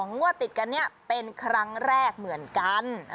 งวดติดกันเนี่ยเป็นครั้งแรกเหมือนกัน